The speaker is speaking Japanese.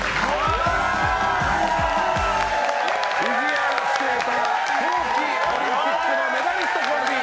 フィギュアスケーター冬季オリンピックメダリストコンビ